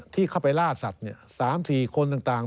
ที่เข้าไปล่าสัตว์๓๔คนต่าง